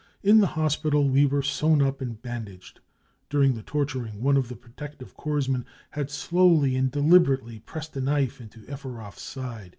*" In the hospital we were sewn up and bandaged. During the torturing one of the protective corps men had slowly and deliberately pressed a knife into Efferoth's side.